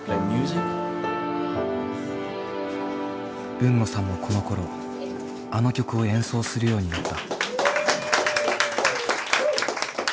海野さんもこのころあの曲を演奏するようになった。